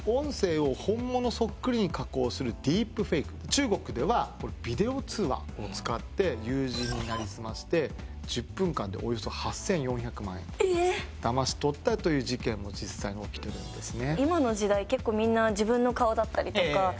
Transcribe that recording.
中国ではビデオ通話を使って友人に成り済まして１０分間でおよそ８，４００万円だまし取ったという事件も実際に起きてるんですね。